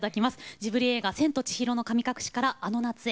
ジブリ映画「千と千尋の神隠し」から「あの夏へ」。